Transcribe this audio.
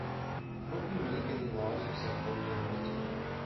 Won’t you make any laws except those I wish to make?